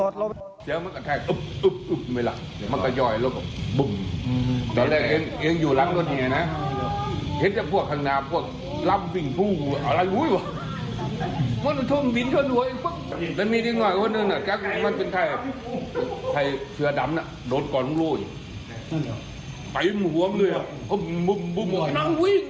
โดยเดี๋ยวให้พูดว่า